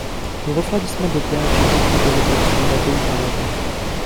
Le refroidissement Doppler est une technique de refroidissement d'atomes par laser.